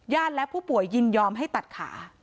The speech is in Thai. และผู้ป่วยยินยอมให้ตัดขา